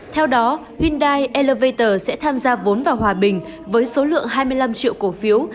theo đó hyundai elevator sẽ tham gia vốn vào hòa bình với số lượng hai mươi năm triệu cổ phiếu